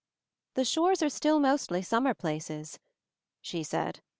"The shores are still mostly summer places," she said.